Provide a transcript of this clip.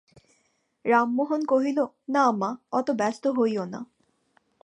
রামমোহন কহিল, না মা, অত ব্যস্ত হইয়ো না।